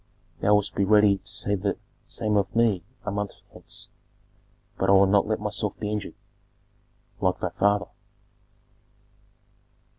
"Thou wouldst be ready to say the same of me a month hence. But I will not let myself be injured." "Like thy father."